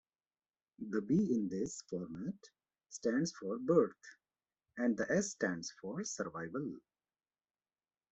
The "B" in this format stands for "birth" and the "S" stands for "survival".